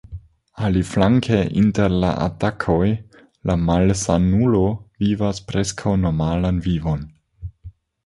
Aliflanke, inter la atakoj, la malsanulo vivas preskaŭ normalan vivon.